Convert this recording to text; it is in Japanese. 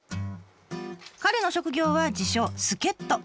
彼の職業は自称「助っ人」。